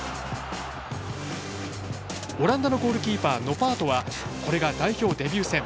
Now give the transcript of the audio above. オランダのゴールキーパーノパートはこれが代表デビュー戦。